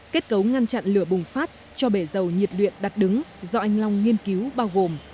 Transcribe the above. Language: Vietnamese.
kết cấu ngăn chặn lửa bùng phát cho bể dầu nhiệt luyện đặt đứng do anh long nghiên cứu bao gồm